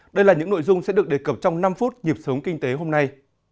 đây là những nội dung sẽ được đề cập trong năm phút nhịp sống kinh tế hôm nay